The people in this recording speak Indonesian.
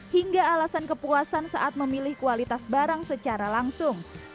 hingga alasan kepuasan saat memilih kualitas barang secara langsung